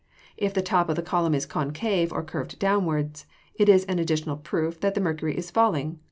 If the top of the column is concave, or curved downwards, it is an additional proof that the mercury is falling.